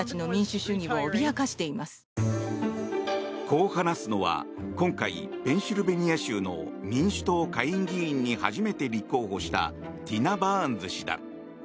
こう話すのは今回ペンシルベニア州の民主党下院議員に初めて立候補したティナ・バーンズ氏だ。